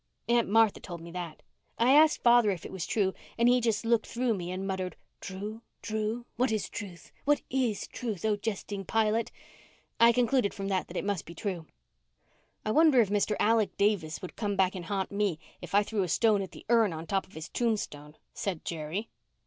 Aunt Martha told me that. I asked father if it was true and he just looked through me and muttered, 'True? True? What is truth? What is truth, O jesting Pilate?' I concluded from that it must be true." "I wonder if Mr. Alec Davis would come back and ha'nt me if I threw a stone at the urn on top of his tombstone," said Jerry.